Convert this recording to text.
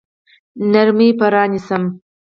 نرمي به رانیسم.